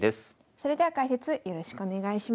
それでは解説よろしくお願いします。